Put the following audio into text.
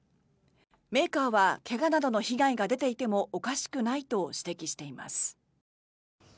メーカーは怪我などの被害が出ていてもおかしくないと指摘しています。